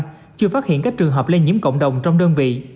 cả vùng xanh chưa phát hiện các trường hợp lây nhiễm cộng đồng trong đơn vị